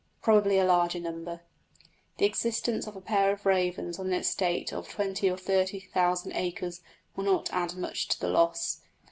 Probably a larger number. The existence of a pair of ravens on an estate of twenty or thirty thousand acres would not add much to the loss.